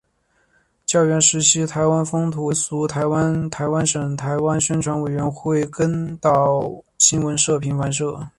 教员时期台湾风土记民俗台湾台湾省宣传委员会岛根新闻社平凡社